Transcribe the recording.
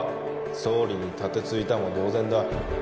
総理に盾突いたも同然だ